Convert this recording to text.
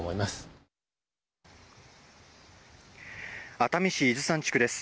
熱海市伊豆山地区です。